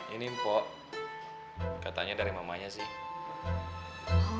ini mpok katanya dari mamanya sih